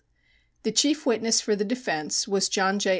The chief witness for the defense was John J.